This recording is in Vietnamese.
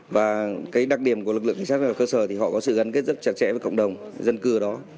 và cái đặc điểm của lực lượng cảnh sát ở cơ sở thì họ có sự gắn kết rất chặt chẽ với cộng đồng dân cư ở đó